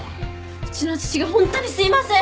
うちの父がホントにすいません！